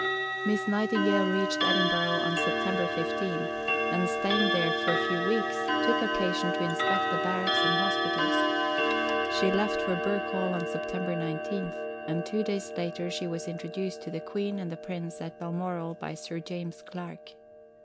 Miss Nightingale reached Edinburgh on September 15, and, staying there a few days, took occasion to inspect the barracks and hospitals. She left for Birk Hall on September 19, and two days later she was introduced to the Queen and the Prince at Balmoral by Sir James Clark.